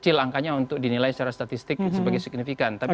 itu hanya untuk dinilai secara statistik sebagai signifikan